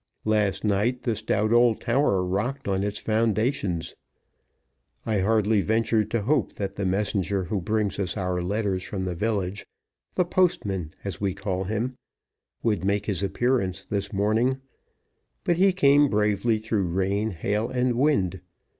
Last night the stout old tower rocked on its foundations. I hardly ventured to hope that the messenger who brings us our letters from the village the postman, as we call him would make his appearance this morning; but he came bravely through rain, hail and wind.